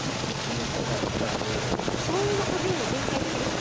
よかったねえ。